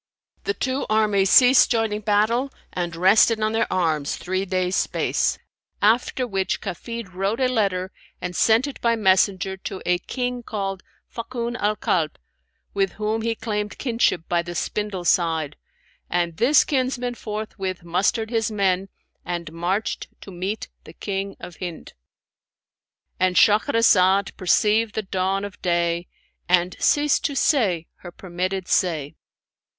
The two armies ceased joining battle and rested on their arms three days' space, after which Kafid wrote a letter and sent it by messenger to a King called Fakun al Kalb (with whom he claimed kinship by the spindle side): and this kinsman forthwith mustered his men and marched to meet the King of Hind."—And Shahrazad perceived the dawn of day and ceased to say her permitted say.